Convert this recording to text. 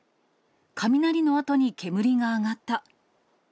雷のあとに煙が上がった。